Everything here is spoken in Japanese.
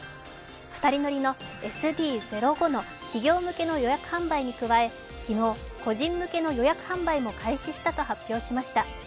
２人乗りのＳＤ−０５の企業向けの予約販売に加え昨日、個人向けの予約販売も開始したと発表しました。